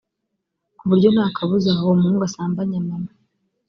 ku buryo nta kabuza uwo muhungu asambanya mama